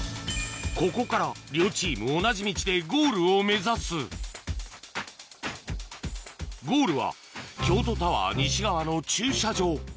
ここから両チーム同じ道でゴールを目指すゴールは京都タワー西側の駐車場